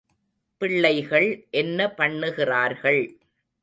பிள்ளைகள் என்ன பண்ணுகிறார்கள்.